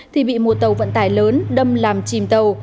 thì bị một tàu vận tải lớn đâm làm chìm tàu